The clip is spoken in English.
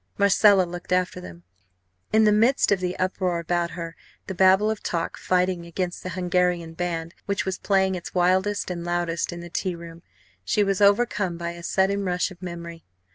Marcella looked after them. In the midst of the uproar about her, the babel of talk fighting against the Hungarian band, which was playing its wildest and loudest in the tea room, she was overcome by a sudden rush of memory.